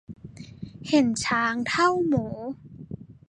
เห็นช้างเท่าหมู